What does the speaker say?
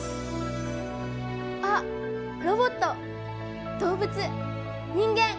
あっロボット動物人間！